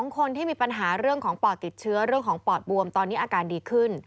คนที่มีปัญหาเรื่องของปอดติดเชื้อเรื่องของปอดบวมตอนนี้อาการดีขึ้น